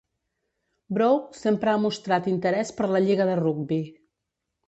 Brough sempre ha mostrat interès per la lliga de rugbi.